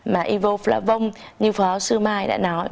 mà evo flavon như phó sư mai đã nói